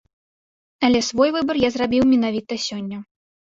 Але свой выбар я зрабіў менавіта сёння.